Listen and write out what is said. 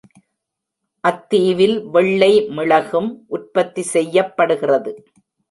அத்தீவில் வெள்ளை மிளகும் உற்பத்தி செய்யப்படுகிறது.